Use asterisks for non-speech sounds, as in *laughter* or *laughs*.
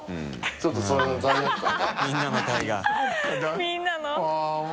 みんなの *laughs*